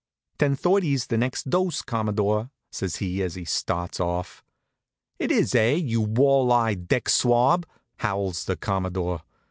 "Ten thirty's the next dose, Commodore," says he as he starts off. "It is, eh, you wall eyed deck swab?" howls the Commodore.